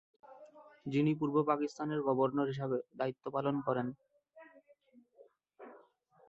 যিনি পূর্ব পাকিস্তানের গভর্নর হিসাবে দায়িত্ব পালন করেন।